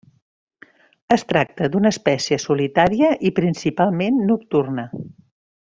Es tracta d'una espècie solitària i principalment nocturna.